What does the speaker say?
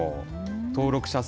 登録者数